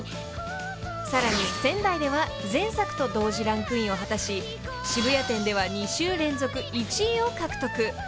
［さらに仙台では前作と同時ランクインを果たし渋谷店では２週連続１位を獲得］